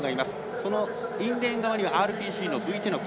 そのインレーン側にはＲＰＣのブィチェノク。